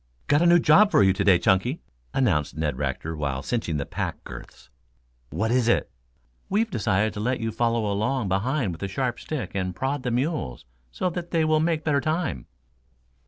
"Got a new job for you to day, Chunky," announced Ned Rector while cinching the pack girths. "What is it?" "We've decided to let you follow along behind with a sharp stick and prod the mules so they will make better time."